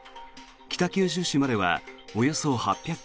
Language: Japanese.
北九州市まではおよそ８００ｋｍ。